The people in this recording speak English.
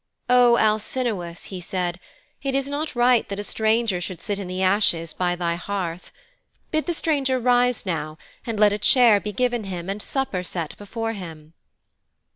'O Alcinous,' he said, 'it is not right that a stranger should sit in the ashes by thy hearth. Bid the stranger rise now and let a chair be given him and supper set before him.'